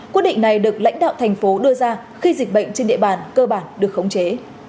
quyết định này được lãnh đạo thành phố đưa ra khi dịch bệnh trên địa bàn cơ bản được khống chế